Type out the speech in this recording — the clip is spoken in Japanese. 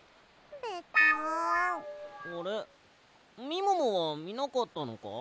みももはみなかったのか？